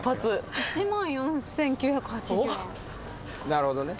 なるほどね。